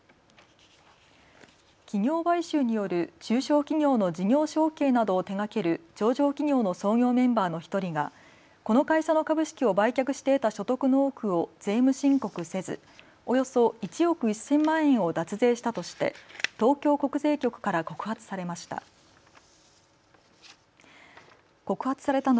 企業買収による中小企業の事業承継などを手がける上場企業の創業メンバーの１人がこの会社の株式を売却して得た所得の多くを税務申告せずおよそ１億１０００万円を脱税したとして東京国税局から告発されました。